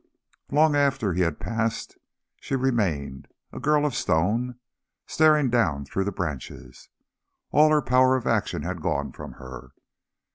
Long after he had passed she remained, a girl of stone, staring down through the branches. All her power of action had gone from her.